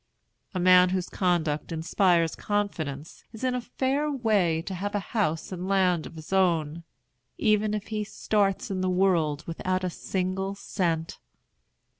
A man whose conduct inspires confidence is in a fair way to have house and land of his own, even if he starts in the world without a single cent.